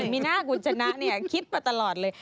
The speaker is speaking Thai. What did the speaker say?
มีหน้ากุญจนะเนี่ยคิดไปตลอดเลย